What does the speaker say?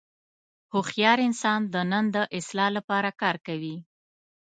هوښیار انسان د نن د اصلاح لپاره کار کوي.